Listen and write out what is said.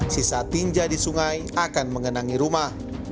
sisa tinja di sungai akan mengenangi rumah